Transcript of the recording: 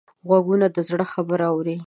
غوږونه د زړه خبرونه اوري